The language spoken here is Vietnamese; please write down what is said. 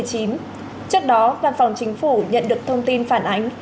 trước đó văn phòng chính phủ nhận được thông tin phản ánh